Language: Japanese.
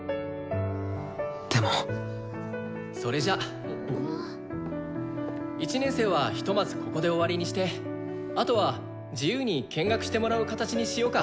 でもそれじゃ１年生はひとまずここで終わりにしてあとは自由に見学してもらう形にしようか。